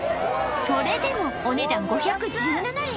それでもお値段５１７円